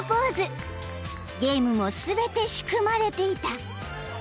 ［ゲームも全て仕組まれていた］